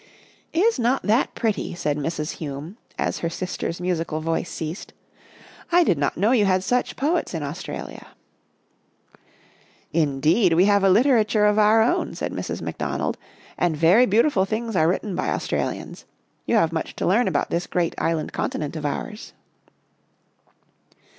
" Is not that pretty?" said Mrs. Hume, as her sister's musical voice ceased. " I did not know you had such poets in Australia." A Drive 27 " Indeed we have a literature of our own," said Mrs. McDonald, " and very beautiful things are written by Australians. You have much to learn about this great island continent of ours."